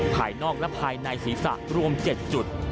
ภายนอกและภายในศีรษะรวม๗จุด